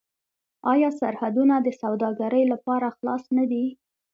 آیا سرحدونه د سوداګرۍ لپاره خلاص نه دي؟